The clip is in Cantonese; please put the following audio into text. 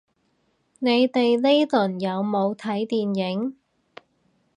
你哋呢輪有冇睇電影